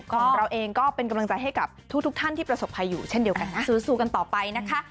ของเราเองก็เป็นกำลังใจให้กับทุกท่านที่ประสบภัยอยู่เช่นเดียวกันนะสู้กันต่อไปนะคะ